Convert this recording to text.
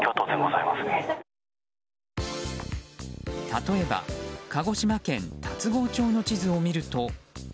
例えば、鹿児島県龍郷町の地図を見ると。